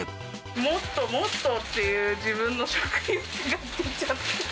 もっともっとっていう自分の食欲が出ちゃって。